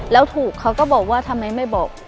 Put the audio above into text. แล้วถูกเขาก็บอกว่าทำไมไม่บอก